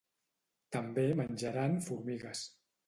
També menjaran formigues.